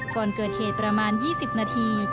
ก่อนเกิดเหตุประมาณ๒๐นาที